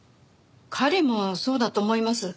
彼もそうだと思います。